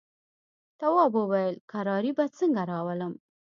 تواب وويل: کراري به څنګه راولم.